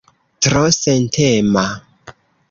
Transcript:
Tro sentema.